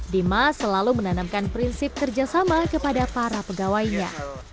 dimas selalu menanamkan prinsip kerjasama kepada para pegawainya